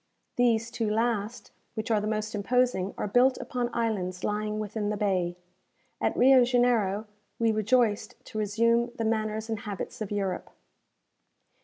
These two last, which are the most imposing, are built upon islands lying within the bay. At Rio Janeiro we rejoiced to resume the manners and habits of Europe.